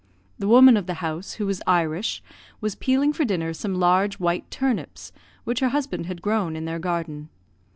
The woman of the house, who was Irish, was peeling for dinner some large white turnips, which her husband had grown in their garden.